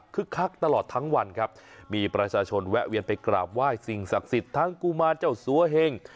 คักตลอดทั้งวันครับมีประชาชนแวะเวียนไปกราบไหว้สิ่งศักดิ์สิทธิ์ทั้งกุมารเจ้าสัวเหง